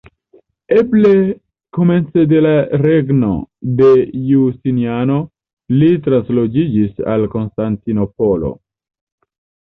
Eble komence de la regno de Justiniano li transloĝiĝis al Konstantinopolo.